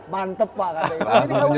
mantep pak kata dia